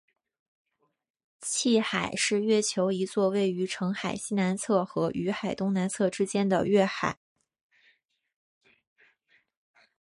汽海是月球一座位于澄海西南侧和雨海东南侧之间的月海。